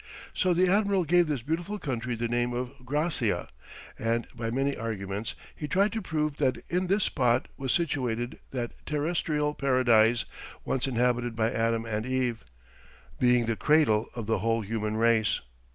So the admiral gave this beautiful country the name of Gracia, and by many arguments he tried to prove that in this spot was situated that terrestrial Paradise once inhabited by Adam and Eve, being the cradle of the whole human race.